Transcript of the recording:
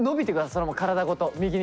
そのまま体ごと右に。